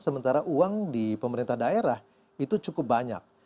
sementara uang di pemerintah daerah itu cukup banyak